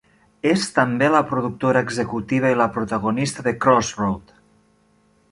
És també la productora executiva i la protagonista de "Crossroad".